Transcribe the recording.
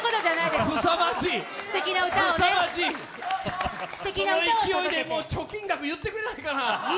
すさまじい、その勢いで貯金額言ってくれないかな。